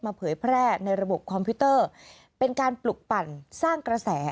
เผยแพร่ในระบบคอมพิวเตอร์เป็นการปลุกปั่นสร้างกระแส